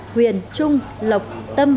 huyền trung lộc tâm